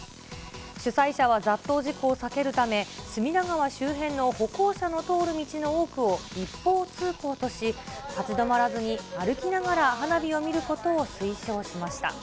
主催者は雑踏事故を避けるため、隅田川周辺の歩行者の通る道の多くを一方通行とし、立ち止まらずに歩きながら花火を見ることを推奨しました。